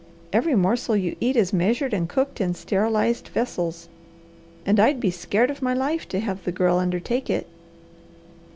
Every morsel you eat is measured and cooked in sterilized vessels, and I'd be scared of my life to have the girl undertake it."